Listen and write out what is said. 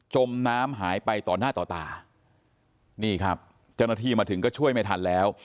มน้ำหายไปต่อหน้าต่อตานี่ครับเจ้าหน้าที่มาถึงก็ช่วยไม่ทันแล้ว